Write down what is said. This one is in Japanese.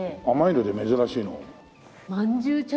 甘いので珍しいの？